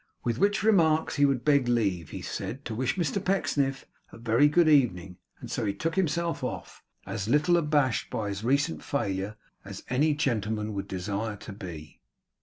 With which remarks he would beg leave, he said, to wish Mr Pecksniff a very good evening. And so he took himself off; as little abashed by his recent failure as any gentleman would desire to be.